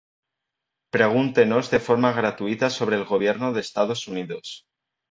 Pregúntenos de forma gratuita sobre el Gobierno de Estados Unidos.